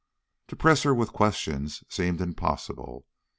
To press her with questions seemed impossible.